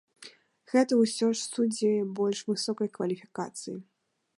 Гэта ўсё ж суддзі больш высокай кваліфікацыі.